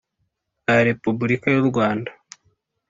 bwa Repubulika y Urwanda